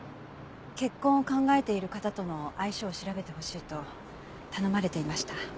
結婚を考えている方との相性を調べてほしいと頼まれていました。